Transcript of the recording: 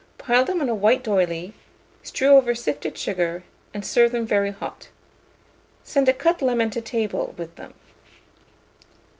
Pile them on a white d'oyley, strew over sifted sugar, and serve them very hot. Send a cut lemon to table with them.